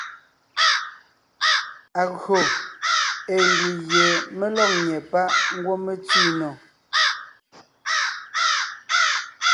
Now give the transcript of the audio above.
Agÿò ée ndù gie mé lɔ́g nyɛ́ páʼ ngwɔ́ mé tsẅi nò.